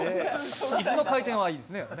椅子の回転はいいですね。